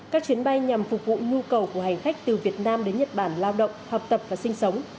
các chuyến bay nhằm phục vụ nhu cầu của hành khách từ việt nam đến nhật bản lao động học tập và sinh sống